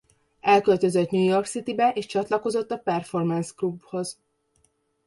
Elköltözött New York Citybe és csatlakozott a Performance Grouphoz.